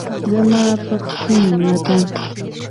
زما پښتون وطن